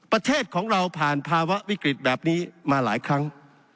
ประเทศของเราผ่านภาวะวิกฤตแบบนี้มาหลายครั้ง